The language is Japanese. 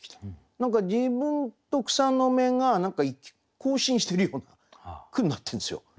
何か自分と草の芽が交信してるような句になってるんですよ。